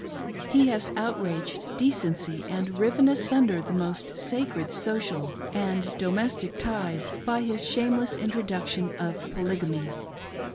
He has outraged decency and riven asunder the most sacred social and domestic ties by his shameless introduction of Polygamy.